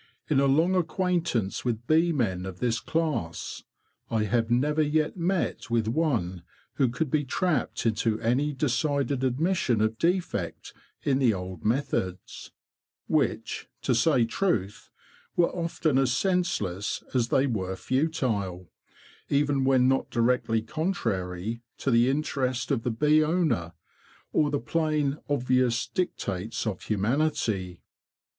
In a long acquaintance with bee men of this class, I have never yet met with one who could be trapped into any decided admission of defect in the old methods, which—to say truth—were often as senseless as they were futile, even when not directly contrary to the interest of the bee owner, or the plain, obvious dic tates of humanity.